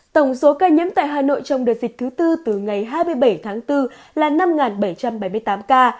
tổng số ca nhiễm tại hà nội trong đợt dịch thứ tư từ ngày hai mươi bảy tháng bốn là năm bảy trăm bảy mươi tám ca